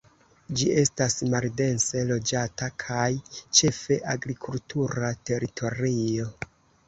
Ĝi estas maldense loĝata kaj ĉefe agrikultura teritorio.